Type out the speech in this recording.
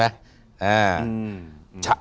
อืม